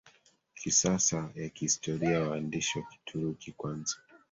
kisasa ya kihistoria Waandishi wa Kituruki kwanza